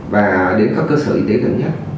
và đến các cơ sở y tế gần nhất